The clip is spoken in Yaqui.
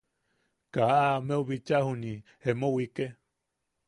Kaa a amau bicha juniʼi emo wike.